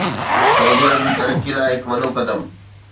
سعودي عرب جي ترقي لاء هڪ وڏو قدم